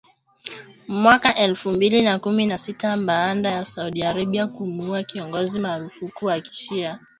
mwaka elfu mbili na kumi na sita , baada ya Saudi Arabia kumuua kiongozi maarufu wa kishia, aliyejulikana kama Nimr al-Nimr